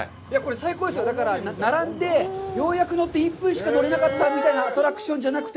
最高ですよ、並んで、ようやく乗って１分しか乗れなかったというアトラクションじゃなくて。